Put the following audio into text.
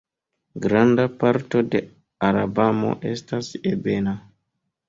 Granda parto de Alabamo estas ebena.